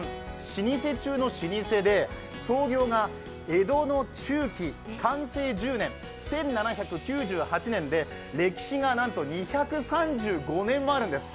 創業が江戸の中期、寛政１０年１７９８年で歴史が、なんと２３５年もあるんです。